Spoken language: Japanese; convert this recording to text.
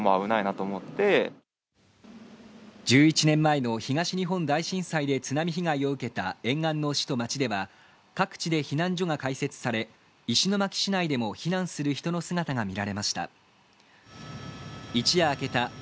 １１年前の東日本大震災で津波被害を受けた沿岸の市と町では各地で避難所が開設され、石巻市内でも避難する人の姿が見られました。